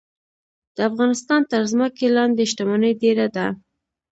د افغانستان تر ځمکې لاندې شتمني ډیره ده